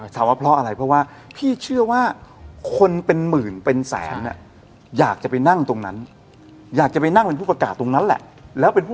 ถามว่าเพราะอะไรเพราะว่าพี่เชื่อว่าคนเป็นหมื่นเป็นแสนเนี่ยอยากจะไปนั่งตรงนั้น